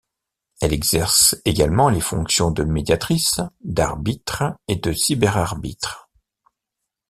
Elle exerce également les fonctions de médiatrice, d’arbitre et de cyberarbitre.